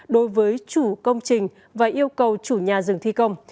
đối với chủ công trình và yêu cầu chủ nhà dừng thi công